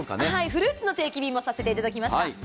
フルーツの定期便もさせていただきました。